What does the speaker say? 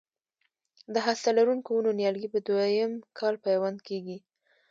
د هسته لرونکو ونو نیالګي په دوه یم کال پیوند کېږي.